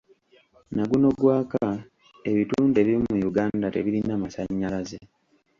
Naguno gwaka ebitundu ebimu mu Uganda tebirina masannyalaze.